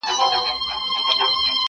دا پېغلتوب مي په غم زوړکې!